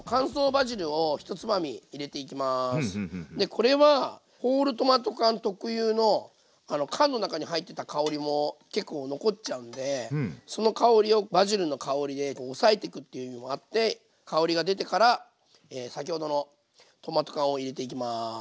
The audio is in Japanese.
これはホールトマト缶特有の缶の中に入ってた香りも結構残っちゃうんでその香りをバジルの香りで抑えていくっていう意味もあって香りが出てから先ほどのトマト缶を入れていきます。